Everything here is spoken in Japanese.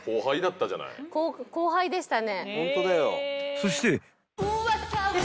［そして］